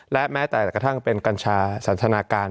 และแม้แต่กระทั่งเป็นกัญชาสันทนาการ